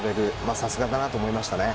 さすがだなと思います。